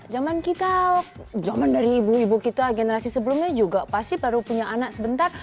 zaman kita zaman dari ibu ibu kita generasi sebelumnya juga pasti baru punya anak sebentar